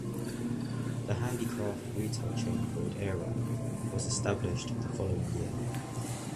The handicraft retail chain called Aarong, was established the following year.